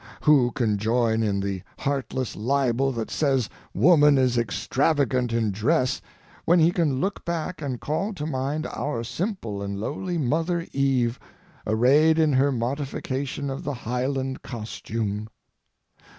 Who can join in the heartless libel that says woman is extravagant in dress when he can look back and call to mind our simple and lowly mother Eve arrayed in her modification of the Highland costume?